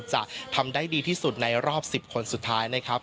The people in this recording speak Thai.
จะทำได้ดีที่สุดในรอบ๑๐คนสุดท้ายนะครับ